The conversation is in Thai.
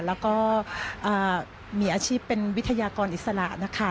แล้วก็มีอาชีพเป็นวิทยากรอิสระนะคะ